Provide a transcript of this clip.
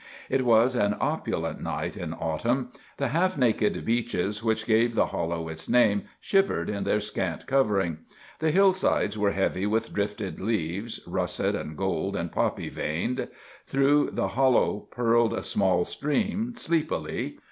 It was an opulent night in autumn. The half naked beeches which gave the hollow its name shivered in their scant covering. The hillsides were heavy with drifted leaves, russet and gold and poppy veined. Through the hollow purled a small stream, sleepily.